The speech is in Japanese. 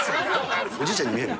おじいちゃんに見える？